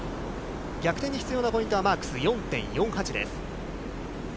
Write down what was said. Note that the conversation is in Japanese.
逆転に必要なポイントはマークス４．４８です。